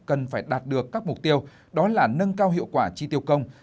cần phải đạt được các mục tiêu đó là nâng cao hiệu quả chi tiêu công